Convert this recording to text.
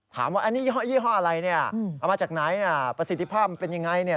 ถามว่ายี่ห้ออะไรเนี่ยเอามาจากไหนประสิทธิภาพมันเป็นยังไง